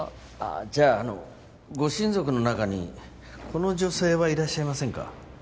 じゃああのご親族の中にこの女性はいらっしゃいませんか？